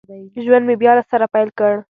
ژوند مې بیا له سره پیل کړ